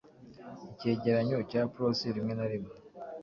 icyegeranyo cya prose rimwe na rimwe